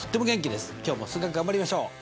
今日も数学頑張りましょう！